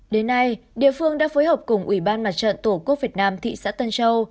đến nay địa phương đã phối hợp cùng ủy ban mặt trận tổ quốc việt nam thị xã tân châu